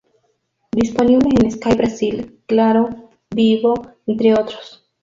Disponible en Sky Brasil, Claro, Vivo entre otros.